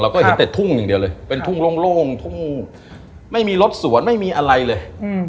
ก็เห็นแต่ทุ่งอย่างเดียวเลยเป็นทุ่งโล่งทุ่งไม่มีรถสวนไม่มีอะไรเลย